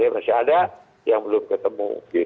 masih ada yang belum ketemu